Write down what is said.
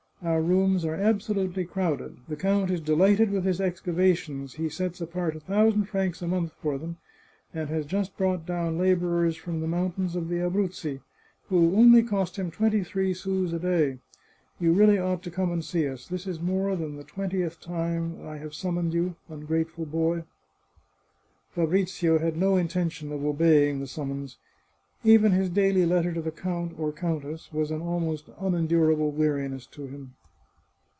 Our rooms are absolutely crowded. The count is delighted with his excavations; he sets apart a thousand francs a month for them, and has just brought down labourers from the mountains of the Abruzzi, 509 The Chartreuse of Parma who only cost him twenty three sous a day. You really ought to come and see us. This is more than the twentieth time that I have summoned you, ungrateful boy !" Fabrizio had no intention of obeying the summons. Even his daily letter to the count or countess was an almost unendurable weariness to him.